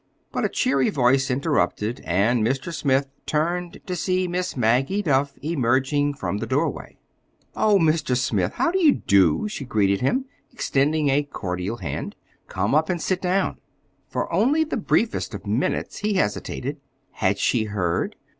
But a cheery voice interrupted, and Mr. Smith turned to see Miss Maggie Duff emerging from the doorway. "Oh, Mr. Smith, how do you do?" she greeted him, extending a cordial hand. "Come up and sit down." For only the briefest of minutes he hesitated. Had she heard?